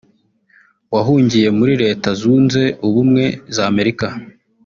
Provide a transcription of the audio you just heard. wahungiye muri Leta Zunze Ubumwe z’Amerika